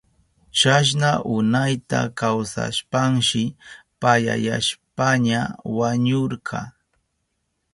Chasna unayta kawsashpanshi payayashpaña wañurka.